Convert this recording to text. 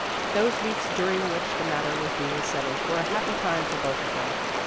Those weeks during which the matter was being settled were a happy time for both of them.